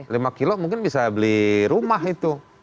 lima kilo mungkin bisa beli rumah itu